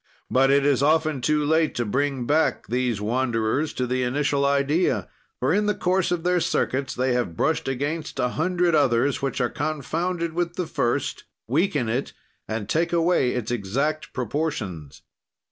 "But it is often too late to bring back these wanderers to the initial idea, for, in the course of their circuits, they have brushed against a hundred others, which are confounded with the first, weaken it, and take away its exact proportions.